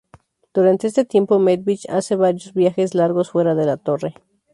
Durante este tiempo, Medivh hace varios viajes largos fuera de la torre.